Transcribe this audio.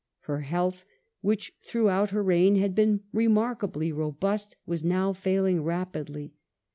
Her health, which throughout her reign had been remarkably robust,^ was now failing rapidly.